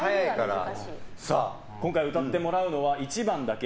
今回歌ってもらうのは１番だけ。